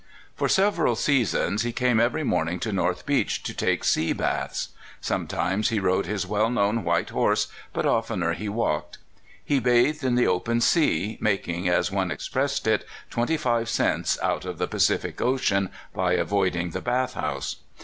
For several seasons he came every morning to North Beach to take sea baths. Sometimes he rode his well known white horse, but oftener he walked. He bathed in the open sea, making, as one expressed it, twenty five cents out of the Pa cific Ocean by avoiding the bath house.